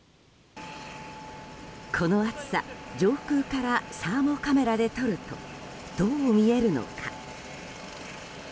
この暑さ上空からサーモカメラで撮るとどう見えるのか。